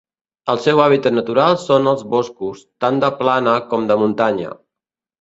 El seu hàbitat natural són els boscos, tant de plana com de muntanya.